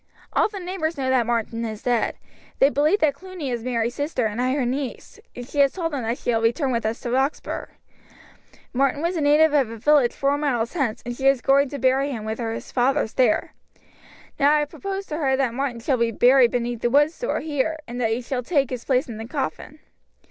"All the neighbours know that Martin is dead; they believe that Cluny is Mary's sister and I her niece, and she has told them that she shall return with us to Roxburgh. Martin was a native of a village four miles hence, and she is going to bury him with his fathers there. Now I have proposed to her that Martin shall be buried beneath the wood store here, and that you shall take his place in the coffin."